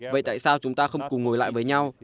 vậy tại sao chúng ta không cùng ngồi lại với nhau